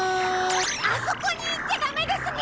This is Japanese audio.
あそこにいっちゃダメですね！